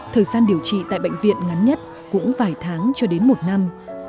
thời gian điều trị tại bệnh viện ngắn nhất cũng vài tháng cho đến một năm